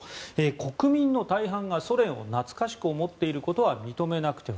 国民の大半がソ連を懐かしく思っていることは認めなくては。